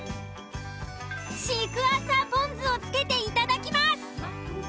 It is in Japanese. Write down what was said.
シークヮーサーポン酢をつけていただきます。